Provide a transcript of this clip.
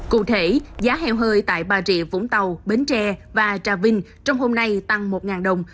cụ thể giá heo hơi tại bà rịa vũng tàu bến tre và trà vinh trong hôm nay tăng một đồng